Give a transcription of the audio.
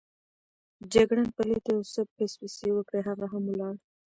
جګړن پلي ته یو څه پسپسې وکړې، هغه هم ولاړ.